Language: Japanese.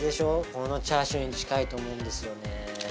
このチャーシューに近いと思うんですよね。